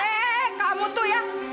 eh eh eh kamu tuh ya mbak